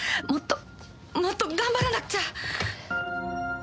もっともっと頑張らなくちゃ！